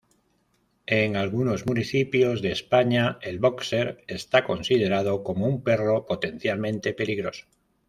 En algunos municipios de España el bóxer está considerado como un perro potencialmente peligroso.